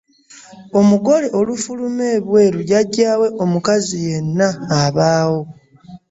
Omugole olufuluma ebweru jjajja we omukazi yenna abaawo.